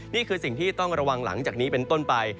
นี่คือสิ่งที่ต้องระวังหลังจากนี้เป็นต้นไป